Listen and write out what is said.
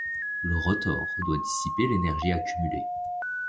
Le rotor doit dissiper l'énergie accumulée.